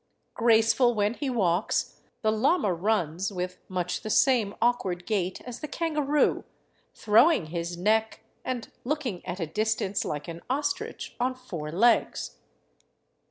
Graceful when he walks, the llama runs with much the same awk ward gait as the kangaroo, throwing his neck, and looking at a dis tance like an ostrich on four legs.